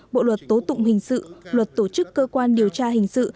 bộ luật tố tụng hình sự luật tổ chức cơ quan điều tra hình sự